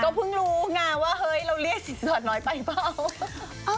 ก็เพิ่งรู้ไงว่าเฮ้ยเราเรียกสินสอดน้อยไปเปล่า